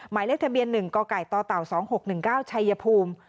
หมายเลขทะเบียน๑กกต๒๖๑๙ชัยภูมิ